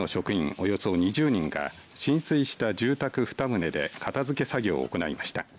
およそ２０人が浸水した住宅２棟で片づけ作業を行いました。